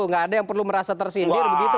nggak ada yang perlu merasa tersindir begitu